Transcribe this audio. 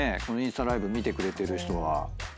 このインスタライブ見てくれてる人は。